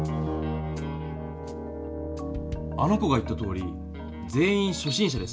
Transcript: あの子が言ったとおり全員しょ心者ですね。